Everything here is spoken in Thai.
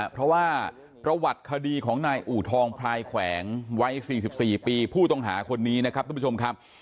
เพราะว่าประวัติคดีของนายอูทองพลายแขวงวัย๔๔ปีผู้ต้องหาคนนี้นะครับทุกผู้ชมครับ